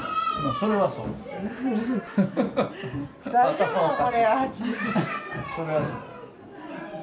それはそうや。